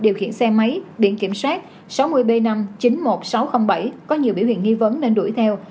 điều khiển xe máy biển kiểm soát sáu mươi b năm chín mươi một nghìn sáu trăm linh bảy có nhiều biểu hiện nghi vấn nên đuổi theo